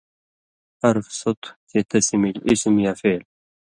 حرف سو تُھو چے تسی ملیۡ اسم یا فعل